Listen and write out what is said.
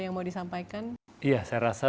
yang mau disampaikan ya saya rasa